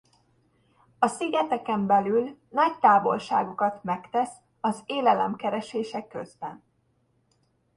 A szigeteken belül nagy távolságokat megtesz az élelem keresése közben.